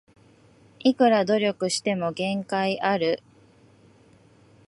いくら努力しても限界ある